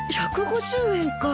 １５０円か。